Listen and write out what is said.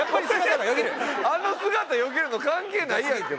あの姿よぎるの関係ないやんけもう。